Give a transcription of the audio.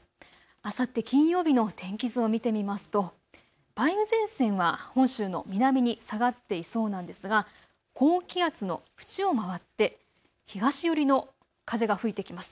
あさって金曜日の天気図を見てみますと梅雨前線は本州の南に下がっていそうなんですが高気圧の縁を回って東寄りの風が吹いてきます。